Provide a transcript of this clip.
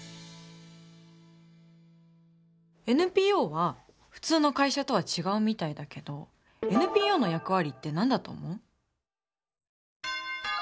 ＮＰＯは普通の会社とは違うみたいだけどＮＰＯの役割って何だと思う？